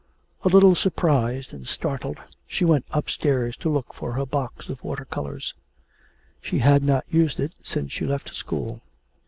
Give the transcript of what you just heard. A little surprised and startled, she went upstairs to look for her box of water colours; she had not used it since she left school.